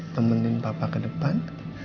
temenin papa ke depan